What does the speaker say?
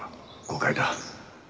誤解だ。